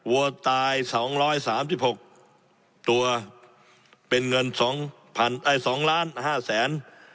วัวตายสองร้อยสามสิบหกตัวเป็นเงินสองพันเอ่ยสองล้านห้าแสน